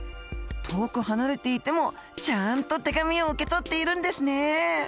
遠く離れていてもちゃんと手紙を受け取っているんですね。